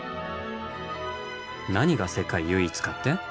何が世界唯一かって？